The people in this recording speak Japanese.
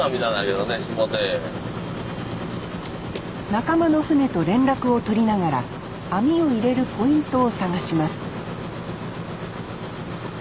仲間の船と連絡を取りながら網を入れるポイントを探します